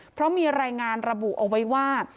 เพราะมีรายงานระบุเอาไว้ว่า